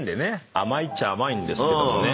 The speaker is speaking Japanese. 甘いっちゃ甘いんですけどもね。